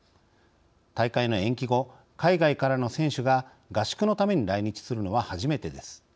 大会の延期後海外からの選手が合宿のために来日するのは初めてです。